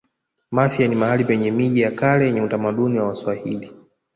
mafia ni mahali penye miji ya kale yenye utamaduni wa waswahili